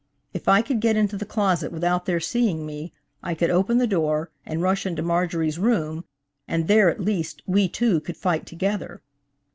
If I could get into the closet without their seeing me, I could open the door and rush into Marjorie's room, and there, at least, we two could fight together.